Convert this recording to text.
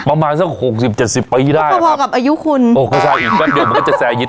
ประมาณสักหกสิบเจ็ดสิบปีได้แต่พอกับอายุคุณโอ้เข้าใจอีกแป๊บเดียวมันก็จะแซงยิด